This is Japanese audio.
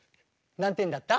何点だった？